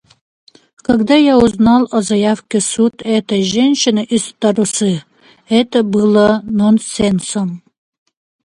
Когда я узнал о заявке в суд этой женщины из Тарусы, это было нонсенсом.